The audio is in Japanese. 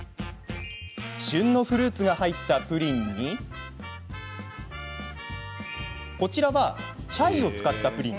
旬のフルーツが入ったプリンにこちらはチャイを使ったプリン。